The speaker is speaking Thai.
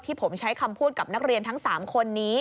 ผมใช้คำพูดกับนักเรียนทั้ง๓คนนี้